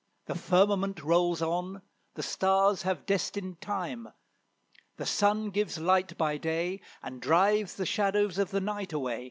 The firmament rolls on, the stars have destined time. The sun gives light by day, And drives the shadows of the night away.